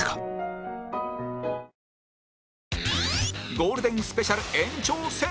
ゴールデンスペシャル延長戦